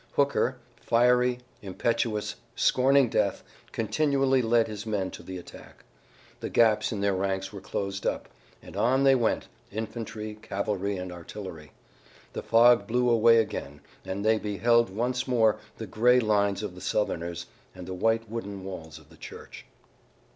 Hooker, fiery, impetuous, scorning death, continually led his men to the attack. The gaps in their ranks were closed up, and on they went, infantry, cavalry and artillery. The fog blew away again and they beheld once more the gray lines of the Southerners, and the white wooden walls of the church.